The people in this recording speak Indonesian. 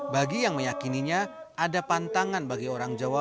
bagi yang meyakininya ada pantangan bagi orang jawa